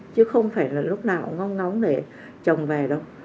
chứ không phải là lúc nào ngon ngóng để chồng về đâu